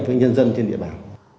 với nhân dân trên địa bàn